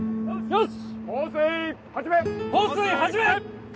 よし！